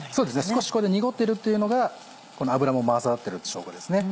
少し濁ってるっていうのが脂も混ざってる証拠ですね。